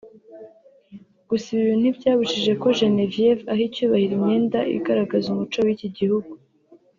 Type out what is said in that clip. Gusa ibi ntibyabujije ko Geneviéve aha icyubahiro imyenda igaragaza umuco w’iki Gihugu